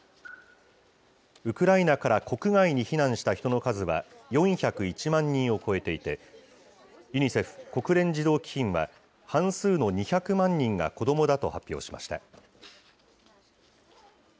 ウクライナから国外に避難した人の数は４０１万人を超えていて、ユニセフ・国連児童基金は、半数の２００万人が子どもだと発表しました。